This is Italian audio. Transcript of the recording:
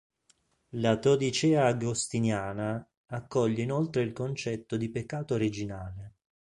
La teodicea agostiniana accoglie inoltre il concetto di peccato originale.